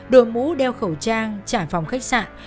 đồ mũ đeo khẩu trang trải phòng khách sạn